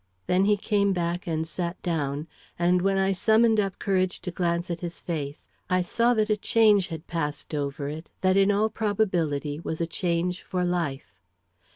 Then he came back and sat down, and when I summoned up courage to glance at his face, I saw that a change had passed over it, that in all probability was a change for life.